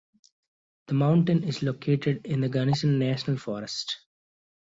The mountain is located in the Gunnison National Forest.